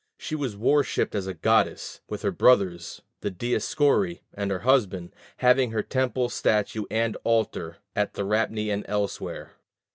She was worshipped as a goddess, with her brothers, the Dioscuri, and her husband, having her temple, statue, and altar at Therapnæ and elsewhere.